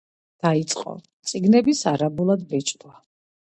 დაიწყო წიგნების არაბულად ბეჭვდა.